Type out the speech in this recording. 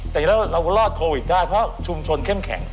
แต่จริงแล้วเรารอดโควิดได้เพราะชุมชนเข้มแข็ง